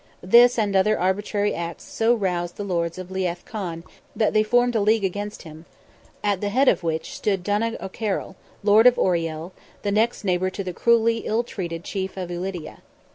This and other arbitrary acts so roused the lords of Leath Conn, that they formed a league against him, at the head of which stood Donogh O'Carroll, lord of Oriel, the next neighbour to the cruelly ill treated chief of Ulidia.